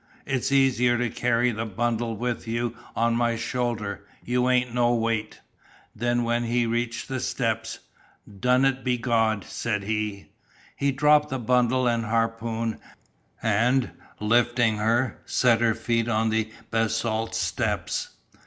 "It's easier to carry the bundle with you on my shoulder, you ain't no weight." Then when he reached the steps: "Done it b'God," said he. He dropped the bundle and harpoon, and, lifting her, set her feet on the basalt steps.